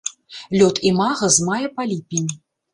Лёт імага з мая па ліпень.